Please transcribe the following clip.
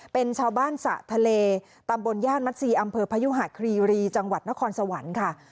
เป็นชาวบ้านสะทะเลตำบลย่านมัสซีอำเภอพยุหาครีรีจังหวัดนครสวรรค์ค่ะ